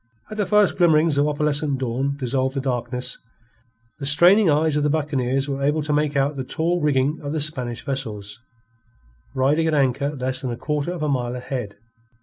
As the first glimmerings of opalescent dawn dissolved the darkness, the straining eyes of the buccaneers were able to make out the tall rigging of the Spanish vessels, riding at anchor less than a quarter of a mile ahead.